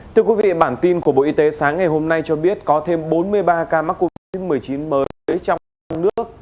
thưa quý vị bản tin của bộ y tế sáng ngày hôm nay cho biết có thêm bốn mươi ba ca mắc covid một mươi chín mới trong nước